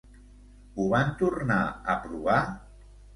Ho van tornar a provar?